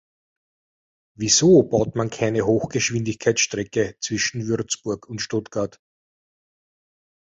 Wieso baut man keine Hochgeschwindigkeitsstrecke zwischen Würzburg und Stuttgart?